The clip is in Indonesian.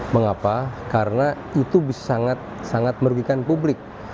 mengapa karena itu sangat sangat merugikan publik